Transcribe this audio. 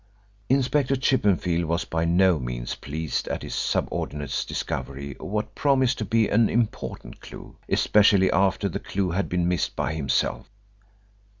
Inspector Chippenfield was by no means pleased at his subordinate's discovery of what promised to be an important clue, especially after the clue had been missed by himself.